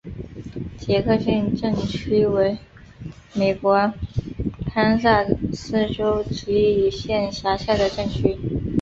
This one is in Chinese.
杰克逊镇区为美国堪萨斯州吉里县辖下的镇区。